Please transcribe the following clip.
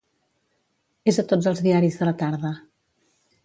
És a tots els diaris de la tarda.